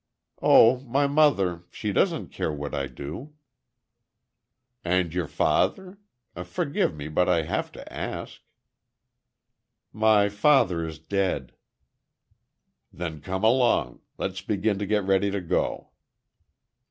"Oh—my mother. She doesn't care what I do." "And your father? Forgive me, but I have to ask." "My father is dead." "Then come along. Let's begin to get ready to go."